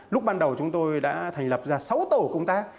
lúc ban đầu chúng tôi đã thành lập ra sáu tổ công tác